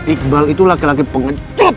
iqbal itu laki laki pengecut